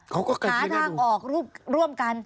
หาทางออกร่วมกัน